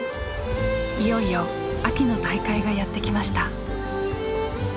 いよいよ秋の大会がやってきました。